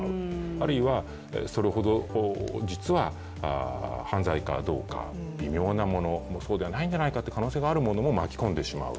あるいは、それほど実は犯罪かどうか微妙なものそうではないんじゃないかという可能性があるものも巻き込んでしまう。